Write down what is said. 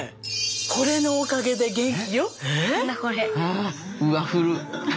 これのおかげで元気よ。